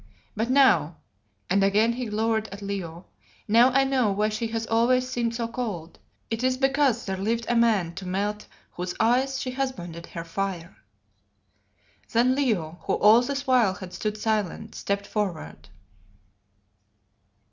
But now," and again he glowered at Leo, "now I know why she has always seemed so cold. It is because there lived a man to melt whose ice she husbanded her fire." Then Leo, who all this while had stood silent, stepped forward.